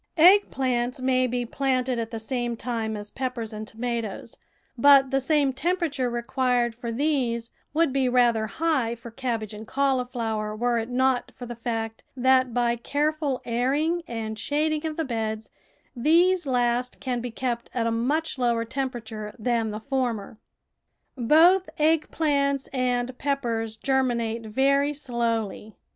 Egg plants may be planted at the same time as peppers and tomatoes, but the same tem perature required for these would be rather high for cabbage and cauliflower were it not for the fact that by careful airing and shading of the beds these last can be kept at a much lower temperature than the former. Both egg plants and peppers germinate very slowly.